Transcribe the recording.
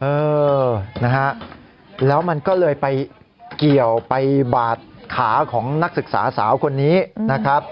เออนะฮะแล้วมันก็เลยไปเกี่ยวไปบาดขาของนักศึกษาสาวคนนี้นะครับ